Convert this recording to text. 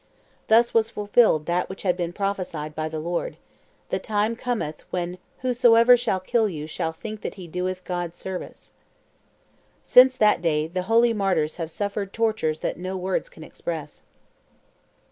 Thus was fulfilled that which had been prophesied by the Lord: 'The time cometh when whosoever shall kill you shall think that he doeth God service.' Since that day the holy martyrs have suffered tortures that no words can express.